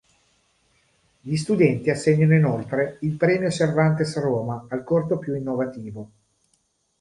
Gli studenti assegnano inoltre il Premio Cervantes Roma al corto più innovativo.